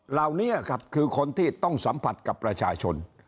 เหล่านี้ครับคือคนที่ต้องสัมผัสกับประชาชน